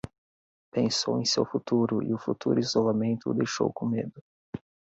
Pensou em seu futuro e o futuro isolamento o deixou com medo.